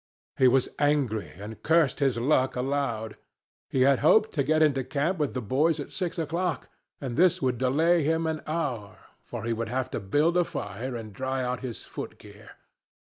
He was angry, and cursed his luck aloud. He had hoped to get into camp with the boys at six o'clock, and this would delay him an hour, for he would have to build a fire and dry out his foot gear.